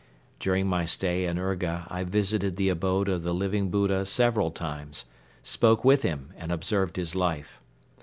During my stay in Urga I visited the abode of the Living Buddha several times, spoke with him and observed his life.